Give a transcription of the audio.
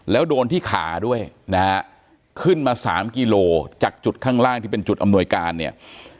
แล้วโดนที่ขาด้วยนะฮะขึ้นมาสามกิโลจากจุดข้างล่างที่เป็นจุดอำนวยการเนี่ย